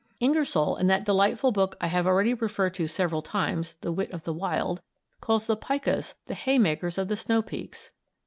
Ingersoll, in that delightful book I have already referred to several times, "The Wit of the Wild," calls the pikas "the haymakers of the snow peaks."